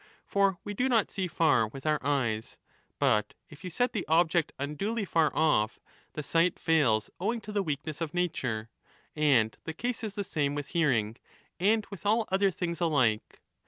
For we do not see far with our eyes, but if you set the object unduly far off, the sight fails owing to the weakness of nature ; and the case is the same with hearing and with all other things alike.